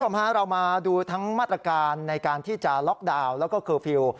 เรามาดูทั้งมาตรการในการที่จะล็อกดาวน์แล้วก็เคอร์ฟิลล์